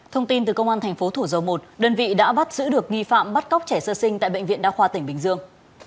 thông tin từ công an thành phố thủ dầu một đơn vị đã bắt giữ được nghi phạm bắt cóc trẻ sơ sinh tại bệnh viện đa khoa tỉnh bình dương